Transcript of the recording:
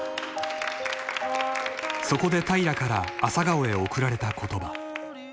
［そこで平から朝顔へ贈られた言葉］